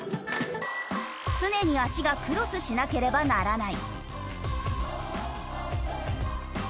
常に足がクロスしなければならない。